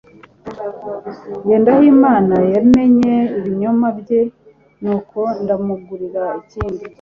Jyendayimana yamennye ibinyobwa bye, nuko ndamugurira ikindi.